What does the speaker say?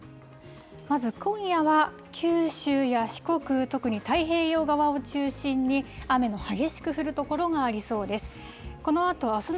まず今夜は、九州や四国、特に太平洋側を中心に、雨の激しく降る所がありそうです。